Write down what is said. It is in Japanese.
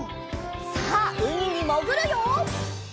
さあうみにもぐるよ！